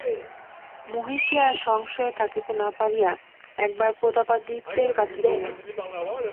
মহিষী আর সংশয়ে থাকিতে না পারিয়া একবার প্রতাপাদিত্যের কাছে গেলেন।